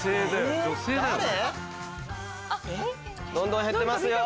どんどん減ってますよ。